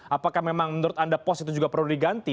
apakah memang menurut anda pos itu juga perlu diganti